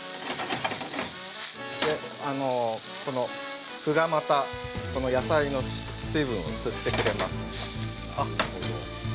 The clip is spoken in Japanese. この麩がまたこの野菜の水分を吸ってくれます。